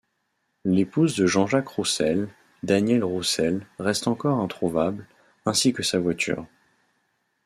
L'épouse de Jean-Jacques Roussel, Danièle Roussel, reste encore introuvable, ainsi que sa voiture.